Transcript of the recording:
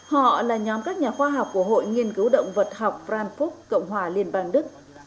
họ là nhóm các nhà khoa học của hội nghiên cứu động vật học franfook cộng hòa liên bang đức